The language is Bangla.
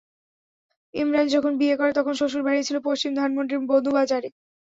ইমরান যখন বিয়ে করে তখন শ্বশুর বাড়ি ছিল পশ্চিম ধানমন্ডির মধুবাজারে।